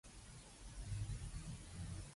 黑狗偷食，白狗當災